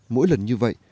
mỗi lần như vậy